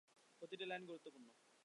প্রতিটি লাইন গুরুত্বপূর্ণ।